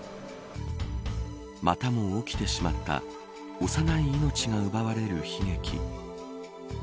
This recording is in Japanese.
またも起きてしまった、幼い命が奪われる悲劇。